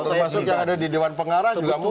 oke saya kalau saya percaya pada partai politik itu